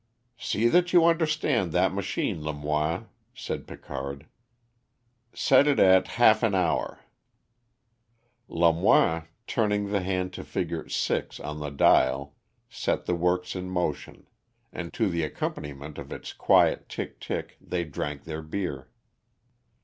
"See that you understand that machine, Lamoine," said Picard. "Set it at half an hour." Lamoine, turning the hand to the figure VI on the dial, set the works in motion, and to the accompaniment of its quiet tick tick they drank their beer.